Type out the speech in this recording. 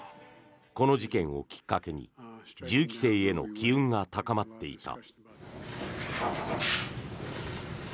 この事件をきっかけに銃規制への機運が高まっていた。